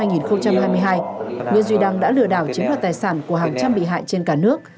nguyễn duy đăng đã lừa đảo chiếm đoạt tài sản của hàng trăm bị hại trên cả nước